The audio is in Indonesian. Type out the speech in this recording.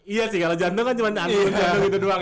iya sih kalau jantung kan cuma diaturnya gitu doang